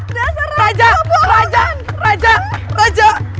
dasar ratu bawangan